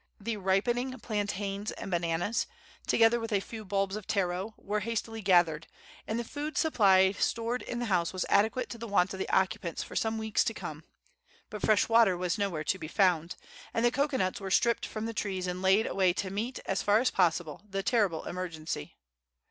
The ripening plantains and bananas, together with a few bulbs of taro, were hastily gathered, and the food supply stored in the house was adequate to the wants of the occupants for some weeks to come; but fresh water was nowhere to be found, and the cocoanuts were stripped from the trees and laid away to meet, as far as possible, the terrible emergency.